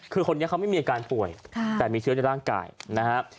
คือคนนี้เขาไม่มีอาการป่วยแต่มีเชื้อในร่างกายนะครับ